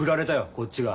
こっちが。